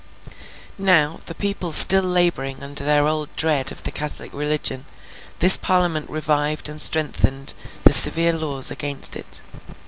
Now, the people still labouring under their old dread of the Catholic religion, this Parliament revived and strengthened the severe laws against it.